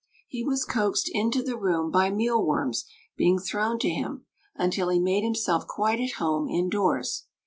He was coaxed into the room by mealworms being thrown to him until he made himself quite at home indoors.